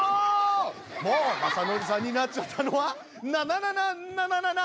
もう雅紀さんになっちゃったのはなななななななな